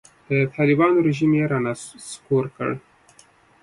د طالبانو رژیم یې رانسکور کړ.